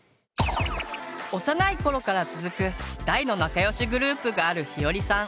幼いころから続く大のなかよしグループがあるひよりさん。